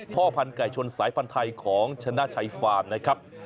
การกายชนสายพันธุ์ไทยของชนะชัยฟาร์มนะครับ